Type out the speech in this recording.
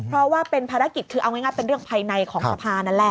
เพราะว่าเป็นภารกิจคือเอาง่ายเป็นเรื่องภายในของสภานั่นแหละ